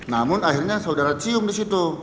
namun akhirnya saudara cium disitu